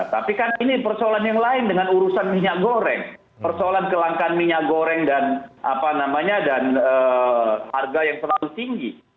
tapi kan ini persoalan yang lain dengan urusan minyak goreng persoalan kelangkaan minyak goreng dan harga yang terlalu tinggi